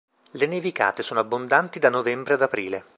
Le nevicate sono abbondanti da novembre ad aprile.